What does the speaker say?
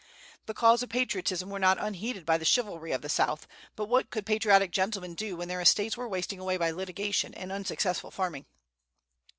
The calls of patriotism were not unheeded by the "chivalry" of the South; but what could patriotic gentlemen do when their estates were wasting away by litigation and unsuccessful farming?